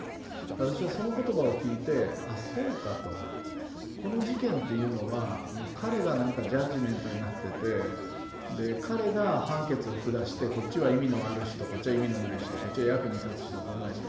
私はその言葉を聞いて「あっそうか」と。この事件っていうのは彼がなんかジャッジメントになってて彼が判決を下して「こっちは意味のある人こっちは意味のない人こっちは役に立つ人立たない人」。